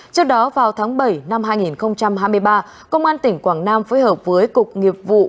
trước đó vào tháng bảy năm hai nghìn hai mươi ba công an tỉnh quảng nam phối hợp với cục nghiệp vụ